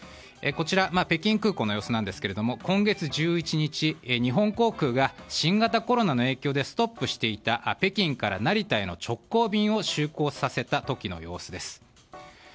北京空港の様子ですが今月１１日、日本航空が新型コロナの影響でストップしていた北京から成田への直行便を就航させた時の様子です。